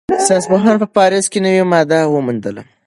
ساینسپوهانو په پاریس کې نوې ماده وموندله.